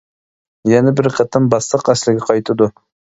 يەنە بىر قېتىم باسساق ئەسلىگە قايتىدۇ.